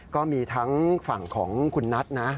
ก็มีทั้งฝั่งของคุณนัทนะ